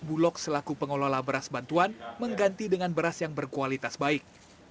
bulog selaku pengelola beras bantuan mengganti dengan beras yang berkualitas baik